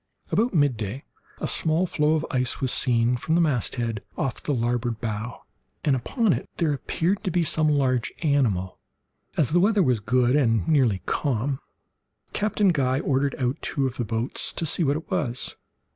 About midday a small floe of ice was seen from the masthead off the larboard bow, and upon it there appeared to be some large animal. As the weather was good and nearly calm, Captain Guy ordered out two of the boats to see what it was.